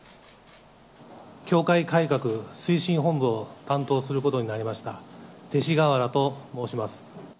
教会改革推進本部を担当することになりました、勅使河原と申します。